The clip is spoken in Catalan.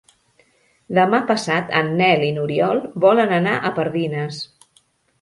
Demà passat en Nel i n'Oriol volen anar a Pardines.